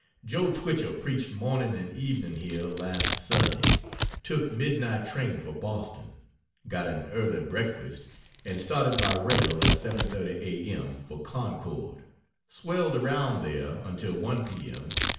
Joe Twichell preached morning and evening here last Sunday; took midnight train for Boston; got an early breakfast and started by rail at 7.30 A. M. for Concord; swelled around there until 1 P. M.